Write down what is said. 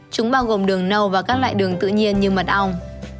chúng bao gồm đường nâu và các loại đường tự nhiên như mật ong